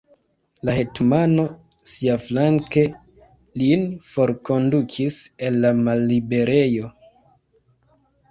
La hetmano siaflanke lin forkondukis el la malliberejo!